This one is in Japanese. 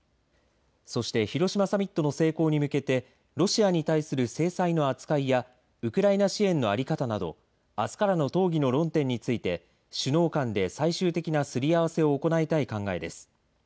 そして広島サミットの成功に向けて、ロシアに対する制裁の扱いや、ウクライナ支援の在り方など、あすからの討議の論点について、首脳間で最終的なすり合わせを行いたい考えです。